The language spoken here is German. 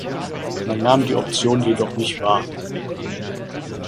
Man nahm die Option jedoch nicht wahr.